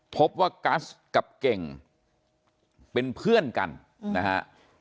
พบว่ากัสกับเก่งเป็นเพื่อนกันนะฮะ